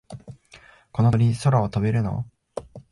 この鳥、空は飛べるの？